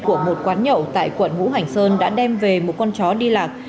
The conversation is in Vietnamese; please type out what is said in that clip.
của một quán nhậu tại quận ngũ hành sơn đã đem về một con chó đi lạc